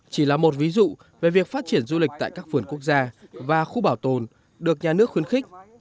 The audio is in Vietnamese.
chỉ là một ví dụ về việc phát triển du lịch tại các vườn quốc gia và khu bảo tồn được nhà nước khuyến khích